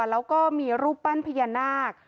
แล้วก็มีรูปปั้นพญานาค